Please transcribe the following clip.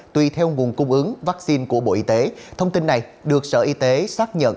tùy theo nguồn cung ứng vaccine của bộ y tế thông tin này được sở y tế xác nhận